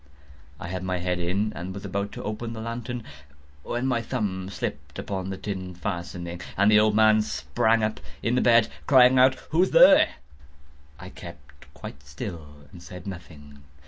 I had my head in, and was about to open the lantern, when my thumb slipped upon the tin fastening, and the old man sprang up in bed, crying out—"Who's there?" I kept quite still and said nothing.